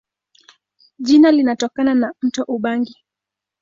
Jina linatokana na mto Ubangi.